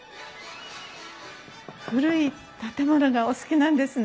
古い建物がお好きなんですね？